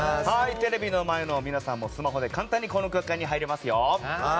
テレビの前の皆さんもスマホで簡単にこの空間に入れますよ。